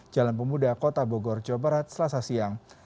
jalan pemuda kota bogor jawa barat selasa siang